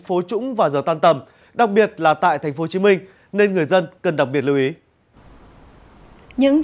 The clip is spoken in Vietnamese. phố trũng và giờ tan tầm đặc biệt là tại tp hcm nên người dân cần đặc biệt lưu ý những